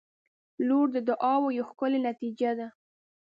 • لور د دعاوو یوه ښکلي نتیجه ده.